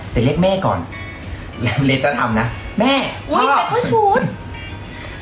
แต่เรียกแม่ก่อนแล้วเล็กก็ทำนะแม่พ่ออุ้ยเป็นผู้ชูด